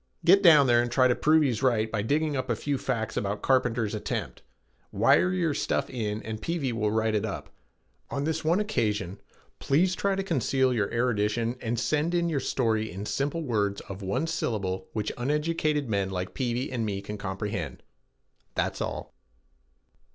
Get down there and try to prove he is right by digging up a few facts about Carpenter's attempt. Wire your stuff in and Peavey will write it up. On this one occasion, please try to conceal your erudition and send in your story in simple words of one syllable which uneducated men like Peavey and me can comprehend. That's all."